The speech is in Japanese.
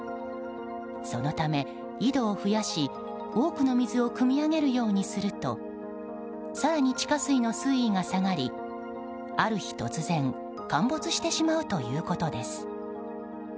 そのため、井戸を増やし多くの水をくみ上げるようにすると更に、地下水の水位が下がりある日、突然陥没してしまうということです。